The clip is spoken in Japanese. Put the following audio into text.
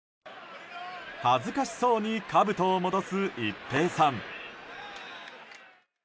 恥ずかしそうにかぶとを戻す一平さん。